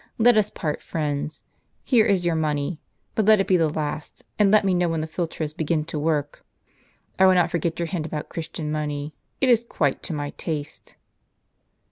Let us part friends. Here is your money. But let it be the last ; and let me know when the philtres begin to work. I will not forget your hint about Christian money. It is quite to my taste."